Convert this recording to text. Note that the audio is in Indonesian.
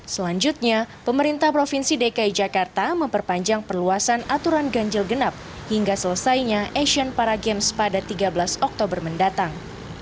selanjutnya pemerintah provinsi dki jakarta memperpanjang perluasan aturan ganjil genap hingga selesainya asian para games pada tiga belas oktober mendatang